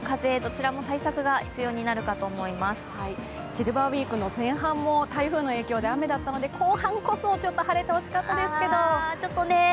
シルバーウイークの前半は台風の影響で雨だったので後半こそ、ちょっと晴れてほしかったですけど。